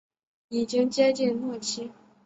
已经接近末期